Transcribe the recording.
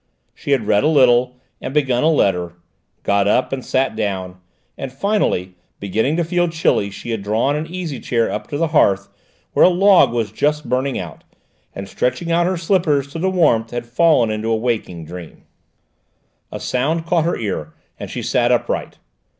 She had read a little, and begun a letter, got up and sat down; and finally, beginning to feel chilly, she had drawn an easy chair up to the hearth, where a log was just burning out, and stretching out her slippers to the warmth had fallen into a waking dream. A sound caught her ear and she sat upright.